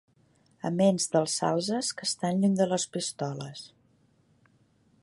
Aments dels salzes que estan lluny de les pistoles.